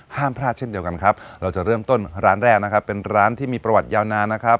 ห้ามพลาดเช่นเดียวกันครับเราจะเริ่มต้นร้านแรกนะครับเป็นร้านที่มีประวัติยาวนานนะครับ